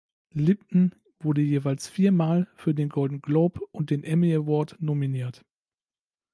Lipton wurde jeweils viermal für den Golden Globe und den Emmy Award nominiert.